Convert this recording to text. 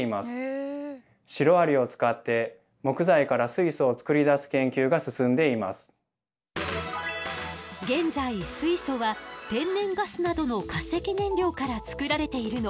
水素は現在水素は天然ガスなどの化石燃料から作られているの。